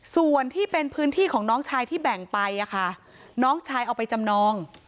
ส่วนที่เป็นพื้นที่ของน้องชายที่แบ่งไปค่ะน้องชายเอาไปจำนอง